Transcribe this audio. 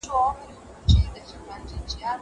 زه اوس ليکنه کوم!!